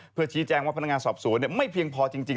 เพื่อชี้แจงว่าพนักงานสอบสวนไม่เพียงพอจริง